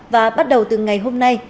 và bắt đầu từ ngày hôm nay